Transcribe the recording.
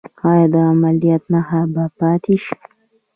ایا د عملیات نښه به پاتې شي؟